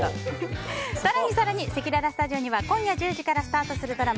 更に、せきららスタジオには今夜１０時からスタートするドラマ